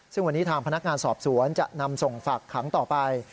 ซึ่งวันนี้ทางพนักงานสอบสวนจะนำส่งฝากขังต่อไป